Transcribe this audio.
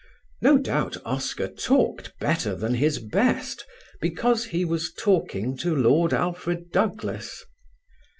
No doubt Oscar talked better than his best because he was talking to Lord Alfred Douglas.